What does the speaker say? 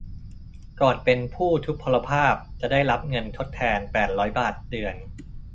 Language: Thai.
ก่อนเป็นผู้ทุพพลภาพ จะได้รับเงินทดแทน แปดร้อย บาทเดือน